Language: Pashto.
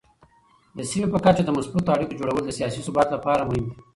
د سیمې په کچه د مثبتو اړیکو جوړول د سیاسي ثبات لپاره مهم دي.